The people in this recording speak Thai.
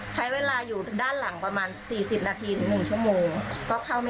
จะได้ภาพเลี่ยมทอง